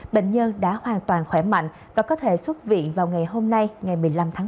bệnh nhân đã hoàn toàn khỏe mạnh và có thể xuất viện vào ngày hôm nay ngày một mươi năm tháng bốn